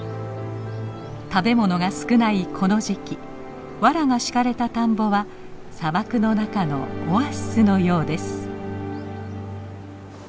食べ物が少ないこの時期わらが敷かれた田んぼは砂漠の中のオアシスのようです。